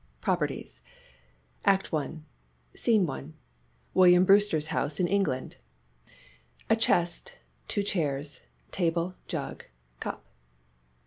PROPERTIES ACT I SCENE I. "WILLIAM BREWSTER'S HOUSE IN ENGLAND." A chest, two chairs, table, jug, cup.